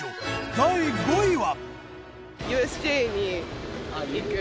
第５位は。